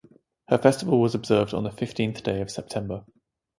Her festival was observed on the fifteenth day of September.